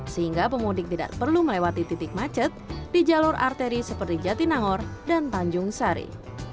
sehingga pemudik tidak perlu melewati titik macet di jalur arteri seperti jatinangor dan tanjung sari